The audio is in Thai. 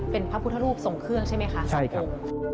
เป็นพระพุทธรูปทรงเครื่องใช่ไหมคะสององค์